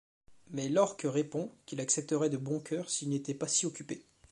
Mais Lorck répond qu'il accepterait de bon cœur s'il n'était pas si occupé.